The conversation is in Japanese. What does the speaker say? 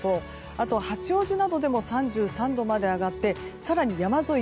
あと、八王子などでも３３度まで上がって更に山沿い、